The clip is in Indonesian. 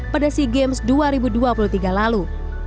pada sea games dua ribu dua puluh tiga lalu